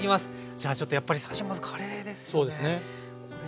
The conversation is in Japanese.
じゃあちょっとやっぱり最初まずカレーですよね。